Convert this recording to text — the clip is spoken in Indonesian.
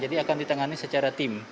jadi akan ditangani secara tim